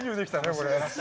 これ。